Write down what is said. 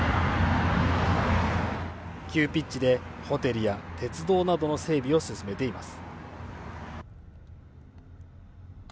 急ピッチでホテルや鉄道などの整備を進めています。